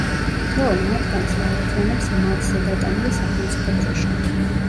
თითოეულ მათგანს აერთიანებს მათზე დატანილი სახელმწიფო დროშა.